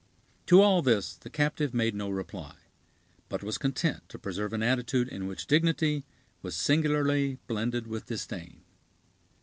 To all this the captive made no reply; but was content to preserve an attitude in which dignity was singularly blended with disdain.